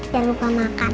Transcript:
jalur mau makan